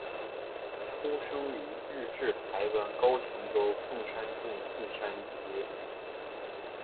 出生于日治台湾高雄州凤山郡凤山街。